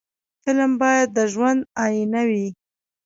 فلم باید د ژوند آیینه وي